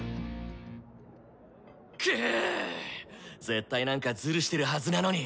絶対何かズルしてるはずなのに！